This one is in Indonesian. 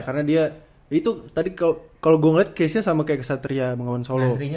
karena dia itu tadi kalo gue ngeliat case nya sama kayak ksatria bangkawan solo